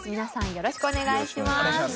よろしくお願いします。